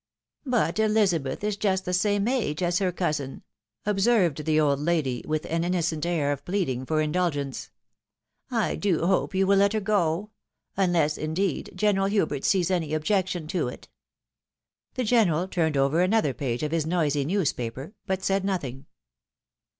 " But Elizabeth is just the same age as her comin," observed the old lady, with an innocent air of pleading for indulgence. THE LONGED FOR MOMENT. 167 " I do hope you will let her go ; unless, indeed, General Hubert sees any objection to it." The general turned over another page of his noisy news paper, but said nothing.